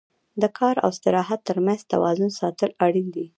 د کار او استراحت تر منځ توازن ساتل اړین دي.